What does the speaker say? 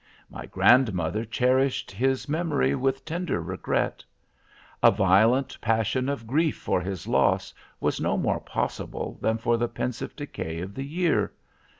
My grandmother cherished his memory with tender regret. A violent passion of grief for his loss was no more possible than for the pensive decay of the year.